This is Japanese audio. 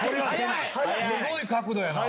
すごい角度やな！